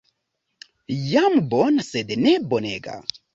Jam bona sed ne bonega.